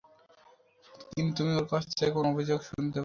কিন্তু তুমি ওর কাছ থেকে কোনো অভিযোগ শুনতে পাবে না।